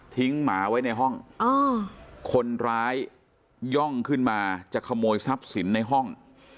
หมาไว้ในห้องคนร้ายย่องขึ้นมาจะขโมยทรัพย์สินในห้อง